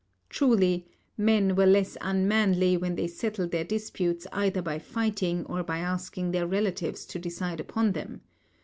Truly, men were less unmanly when they settled their disputes either by fighting or by asking their relatives to decide upon them.